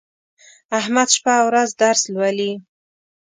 احمد شپه او ورځ درس لولي.